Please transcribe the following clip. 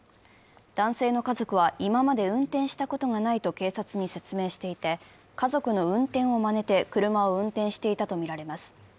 男性の家族は、今まで運転したことがないと警察に説明していて家族の運転をまねて車を運転していたとみられます。